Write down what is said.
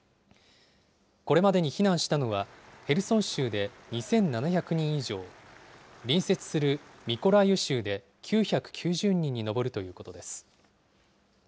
これまでに避難したのは、ヘルソン州で２７００人以上、隣接するミコライウ州で９９０人に上るということです。